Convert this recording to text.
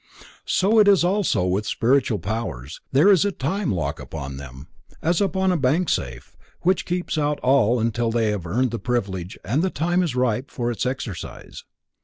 So it is also with spiritual powers, there is a time lock upon them, as upon a bank safe, which keeps out all until they have earned the privilege and the time is ripe for its exercise.